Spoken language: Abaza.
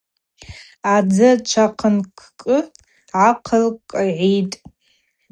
Адзы чӏванхъкӏы гӏахъылкӏгӏитӏ.